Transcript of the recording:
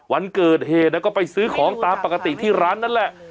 วันเกิดเหตุก็ไปซื้อของตามปกติที่ร้านนั่นแหละ